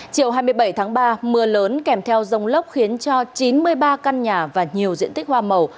chiều hai mươi bảy tháng ba mưa lớn kèm theo rông lốc khiến cho chín mươi ba căn nhà và nhiều diện tích hoa màu